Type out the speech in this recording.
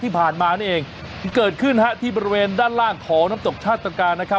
ที่ผ่านมานี่เองเกิดขึ้นฮะที่บริเวณด้านล่างของน้ำตกชาตกานะครับ